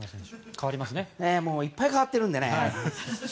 いっぱい代わってるんでね。